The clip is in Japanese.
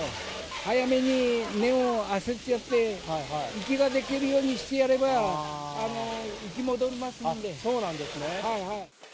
早めに根を洗ってやって、息ができるようにしてやれば、そうなんですね。